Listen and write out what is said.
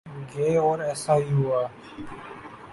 گے اور ایسا ہی ہوا۔